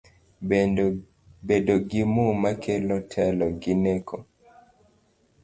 Bedo gi muma kelo telo gi neko